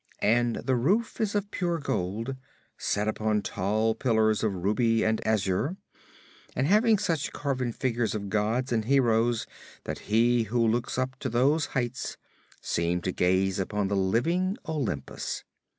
And the roof is of pure gold, set upon tall pillars of ruby and azure, and having such carven figures of gods and heroes that he who looks up to those heights seems to gaze upon the living Olympus.